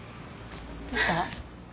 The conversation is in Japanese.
どうした？